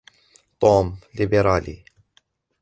توم ليبرالي.